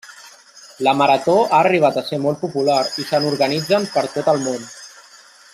La marató ha arribat a ser molt popular i se n'organitzen per tot el món.